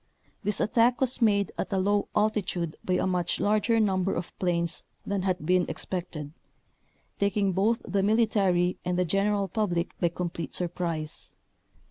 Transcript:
This attack was made at a low altitude by a much larger number of planes than had been expected, taking both the mili tary and the general public by complete sur prise.